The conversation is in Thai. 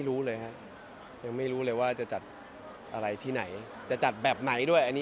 แต่ขออันตรีแล้วอยากแบบไหน